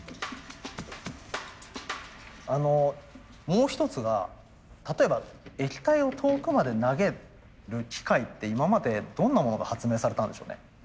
もう一つが例えば液体を遠くまで投げる機械って今までどんなものが発明されたんでしょうね。